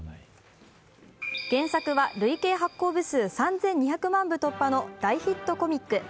原作は累計発行部数３２００万部突破の大ヒットコミック。